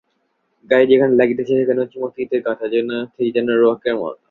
গাড়ি যেখানে লাগিতেছে সেখানটা উঁচুমতো ইটের গাথা, ঠিক যেন রোয়াকের মতো।